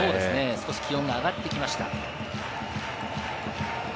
少し気温が上がりました。